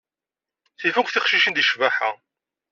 Tif akk tiqcicin deg ccbaḥa.